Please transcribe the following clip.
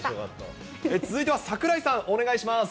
続いては櫻井さん、お願いします。